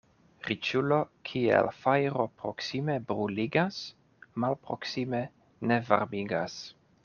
Riĉulo kiel fajro proksime bruligas, malproksime ne varmigas.